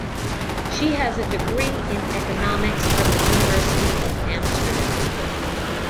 She has a degree in economics from the University of Amsterdam.